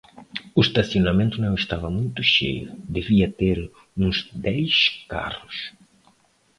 O estacionamento não estava muito cheio, devia ter uns dez carros.